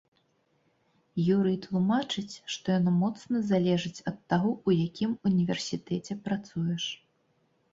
Юрый тлумачыць, што яно моцна залежыць ад таго, у якім універсітэце працуеш.